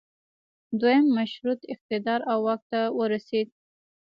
دویم مشروطیت اقتدار او واک ته ورسید.